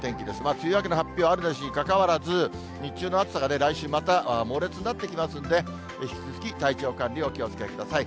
梅雨明けの発表あるなしにかかわらず、日中の暑さがね、来週、また猛烈になってきますんで、引き続き体調管理、お気をつけください。